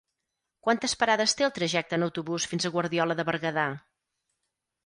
Quantes parades té el trajecte en autobús fins a Guardiola de Berguedà?